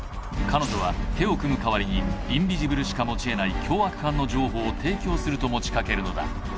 彼女は手を組む代わりにインビジブルしか持ちえない凶悪犯の情報を提供すると持ちかけるのだ